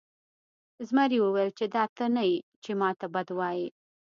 زمري وویل چې دا ته نه یې چې ما ته بد وایې.